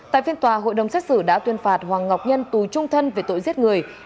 tại phiên tòa hội đồng xét xử đã tuyên phạt hoàng ngọc nhân tùy trung thân về tội giết người